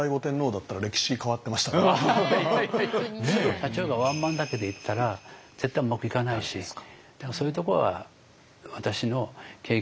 社長がワンマンだけでいったら絶対うまくいかないしだからそういうとこは私の経験の中でも感じる時ありますね。